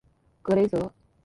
格雷泽。